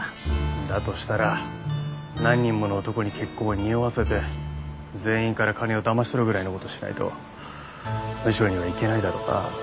だとしたら何人もの男に結婚を匂わせて全員から金をだまし取るぐらいのことしないとムショには行けないだろうな。